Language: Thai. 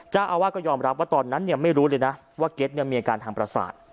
เจ้าอาวาสก็ยอมรับว่าตอนนั้นไม่รู้เลยนะว่าเก็ตมีอาการทางประสาท